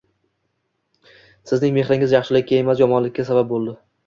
Sizning mehringiz yaxshilikka emas, yomonlikka sabab bo’ldi.